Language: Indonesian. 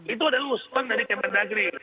itu adalah usman dari kementerian negeri